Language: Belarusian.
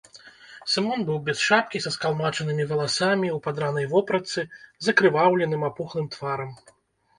Сымон быў без шапкі са скалмачанымі валасамі, у падранай вопратцы, з акрываўленым, апухлым тварам.